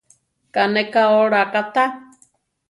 Ká ne ka olá katá.